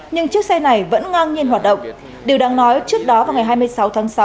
nhưng chiếc xe này vẫn ngang nhiên hoạt động điều đáng nói trước đó vào ngày hai mươi sáu tháng sáu